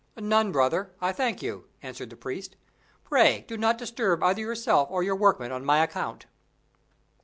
"None, brother, I thank you," answered the priest. "Pray do not disturb either yourself or your workmen on my account."